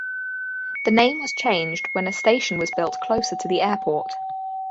The name was changed when a station was built closer to the airport.